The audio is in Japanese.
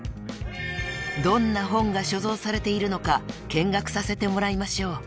［どんな本が所蔵されているのか見学させてもらいましょう］